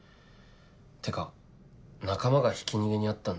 ってか仲間がひき逃げに遭ったんだ。